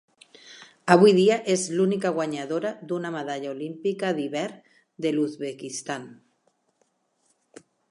Avui dia és l'única guanyadora d'una medalla olímpica d'hivern de l'Uzbekistan.